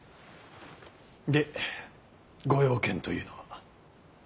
でご用件というのは。